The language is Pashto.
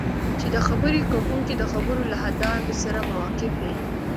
چې د خبرې کوونکي د خبرو له ادامې سره موافق یې.